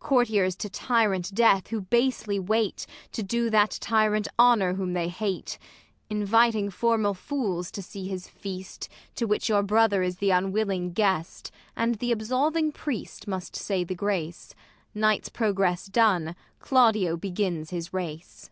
Courtiers to tyrant death who basely wait. To do that tyrant honour whom they hate, Inviting formal fools to see his feast THE LAW AGAINST LOVERS. 187 To which your brother is th' unwilling guest, And the absolving priest must say the grace : Night's progress done, Claudio begins his race.